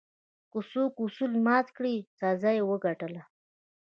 که څوک اصول مات کړل، سزا یې وګټله.